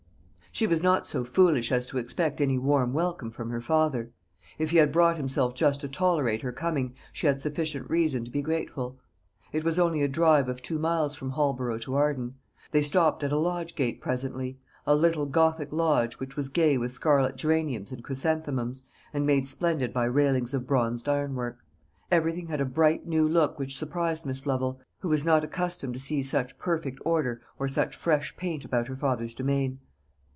She was not so foolish as to expect any warm welcome from her father. If he had brought himself just to tolerate her coming, she had sufficient reason to be grateful. It was only a drive of two miles from Holborough to Arden. They stopped at a lodge gate presently; a little gothic lodge, which was gay with scarlet geraniums and chrysanthemums, and made splendid by railings of bronzed ironwork. Everything had a bright new look which surprised Miss Lovel, who was not accustomed to see such, perfect order or such fresh paint about her father's domain.